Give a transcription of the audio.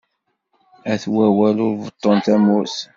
At wawal ur beṭṭun tamurt.